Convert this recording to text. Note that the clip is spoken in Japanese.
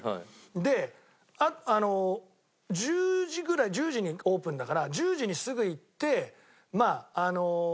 で１０時ぐらい１０時にオープンだから１０時にすぐ行って。